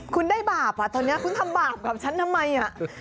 คุณได้บาปอ่ะตอนนี้คุณทำบาปกับฉันทำไม